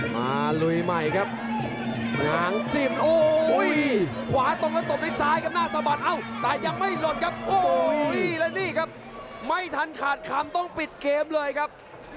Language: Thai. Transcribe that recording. มาลุยใหม่ครับ